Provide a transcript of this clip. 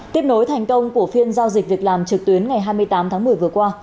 tiếp nối thành công của phiên giao dịch việc làm trực tuyến ngày hai mươi tám tháng một mươi vừa qua